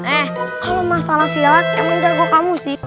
eh kalau masalah silat emang jago kamu sih